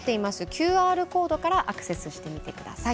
ＱＲコードからアクセスしてみてください。